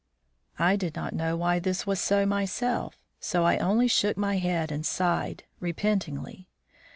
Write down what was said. I did not know why this was so, myself, so I only shook my head and sighed, repentingly.